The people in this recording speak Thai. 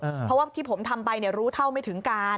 เพราะว่าที่ผมทำไปรู้เท่าไม่ถึงการ